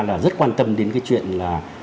là rất quan tâm đến cái chuyện là